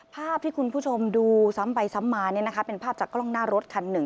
ภาพที่คุณผู้ชมดูซ้ำไปซ้ำมาเป็นภาพจากกล้องหน้ารถคันหนึ่ง